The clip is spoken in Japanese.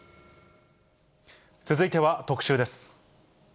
続いては特集です。